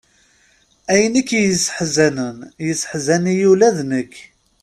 Ayen i k-yesseḥzanen, yesseḥzan-iyi ula d nekk.